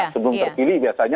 sebelum terpilih biasanya